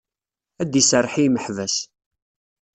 Ad d-iserreḥ i yimeḥbas.